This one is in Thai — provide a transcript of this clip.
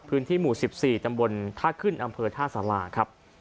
พื้นที่หมู่๑๔ตำบลท่าขึ้นอำเภอท่าสาราครับ